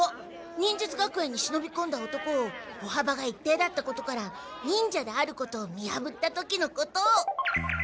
忍術学園にしのびこんだ男を歩幅が一定だったことから忍者であることを見やぶった時のことを。